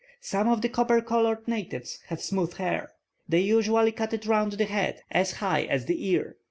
Some of the copper coloured natives have smooth hair. They usually cut it round the head as high as the ear.